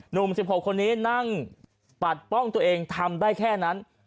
๑๖คนนี้นั่งปัดป้องตัวเองทำได้แค่นั้น